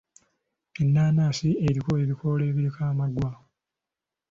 Ennaanansi erina ebikoola ebiriko amaggwa.